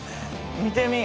見てみい